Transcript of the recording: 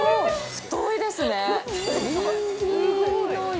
太いですね。